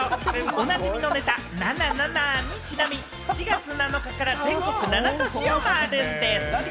おなじみのネタ、ナナナナにちなみ、７月７日から全国７都市をまわるんでぃす。